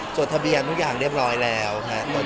จดทะเบียนทุกอย่างเรียบร้อยแล้วครับ